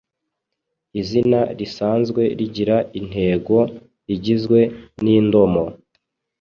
Izina risanzwe rigira intego igizwe n’indomo